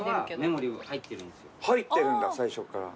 入ってるんだ最初っから。